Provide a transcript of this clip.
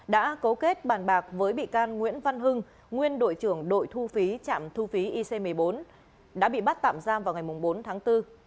đã cấu kết bàn bạc với bị can nguyễn văn hưng nguyên đội trưởng đội thu phí trạm thu phí ic một mươi bốn đã bị bắt tạm giam vào ngày bốn tháng bốn